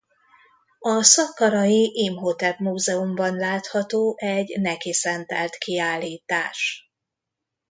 A szakkarai Imhotep Múzeumban látható egy neki szentelt kiállítás.